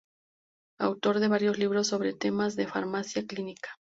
Autor de varios libros sobre temas de Farmacia Clínica.